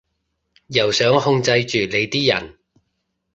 又想控制住你啲人